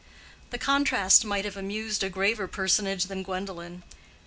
The contrast might have amused a graver personage than Gwendolen.